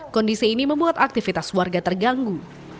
kondisi ini membuat aktivitas warga terganggu